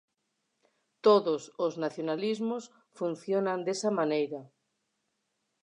Todos os nacionalismos funcionan desa maneira.